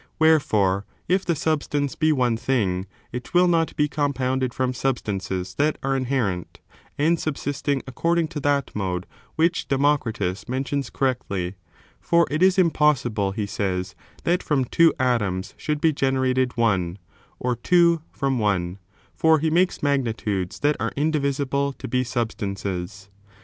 Wherefore, if the substance be one thing, it will not be compounded from substances that are inherent, and subsisting according to that mode which Democritus mentions correctly ; for it is impos sible, he says, that from two atoms should be generated one, or two from one, for he makes magnitudes that are indivi sible to be substances.